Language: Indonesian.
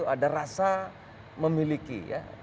ada rasa memiliki